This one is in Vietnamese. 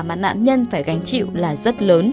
mà nạn nhân phải gánh chịu là rất lớn